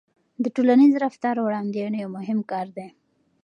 د ټولنیز رفتار وړاندوينه یو مهم کار دی.